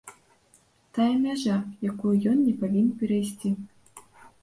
Тая мяжа, якую ён не павінен перайсці.